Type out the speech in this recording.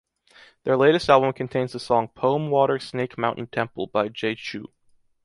Their latest album contains the song "Poem Water Snake Mountain Temple" by Jay Chou.